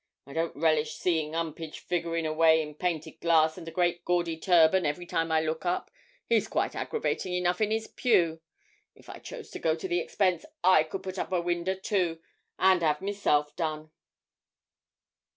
I don't relish seeing 'Umpage figurin' away in painted glass and a great gaudy turban every time I look up, he's quite aggravating enough in his pew. If I chose to go to the expense, I could put up a winder too, and 'ave myself done.'